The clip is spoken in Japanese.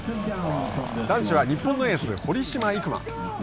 男子は日本のエース堀島行真。